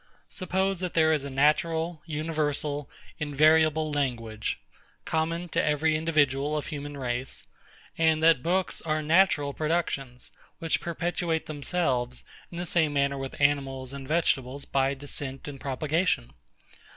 Suppose that there is a natural, universal, invariable language, common to every individual of human race; and that books are natural productions, which perpetuate themselves in the same manner with animals and vegetables, by descent and propagation.